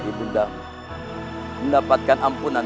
di tempat yang lain